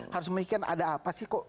harus memikirkan ada apa sih kok